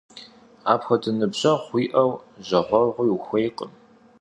Абы хуэдэ ныбжьэгъу уиӏэу жэгъуэгъуи ухуейкъым.